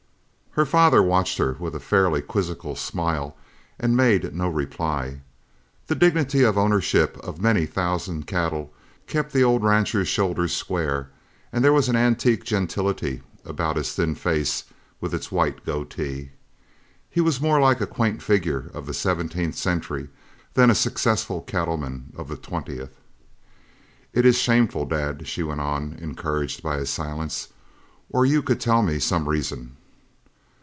Her father watched her with a faintly quizzical smile and made no reply. The dignity of ownership of many thousand cattle kept the old rancher's shoulders square, and there was an antique gentility about his thin face with its white goatee. He was more like a quaint figure of the seventeenth century than a successful cattleman of the twentieth. "It is shameful, Dad," she went on, encouraged by his silence, "or you could tell me some reason."